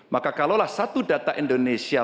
maka kalaulah satu data indonesia